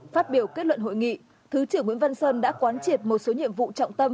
phát biểu kết luận hội nghị thứ trưởng nguyễn văn sơn đã quán triệt một số nhiệm vụ trọng tâm